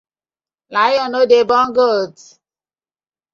Lion no dey born goat.